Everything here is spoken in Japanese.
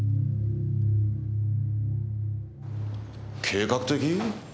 計画的？